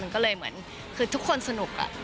มันก็เลยเหมือนคือทุกคนสนุก